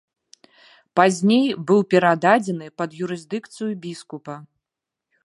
Пазней быў перададзены пад юрысдыкцыю біскупа.